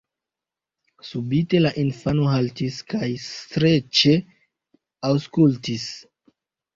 Subite la infano haltis kaj streĉe aŭskultis.